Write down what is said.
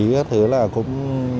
các thứ là cũng